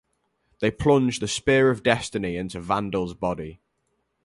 They plunge the Spear of Destiny into Vandal's body.